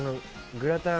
グラタン。